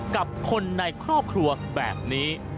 กับคนในครอบครัวแบบนี้